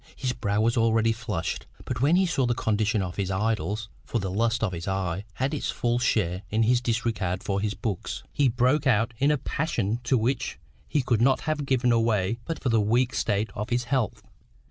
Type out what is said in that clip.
His brow was already flushed; but when he saw the condition of his idols, (for the lust of the eye had its full share in his regard for his books,) he broke out in a passion to which he could not have given way but for the weak state of his health.